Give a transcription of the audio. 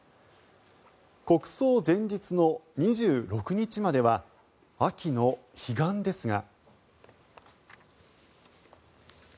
国葬前日の２６日までは秋の彼岸ですが。